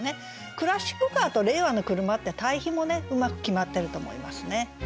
「クラシックカー」と「令和の車」って対比もねうまく決まってると思いますね。